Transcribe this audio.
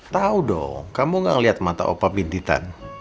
tau dong kamu gak ngeliat mata opa bintitan